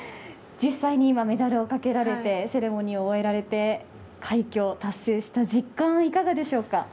実際に今、メダルをかけられてセレモニーに出られて快挙達成させた実感、いかがでしょうか。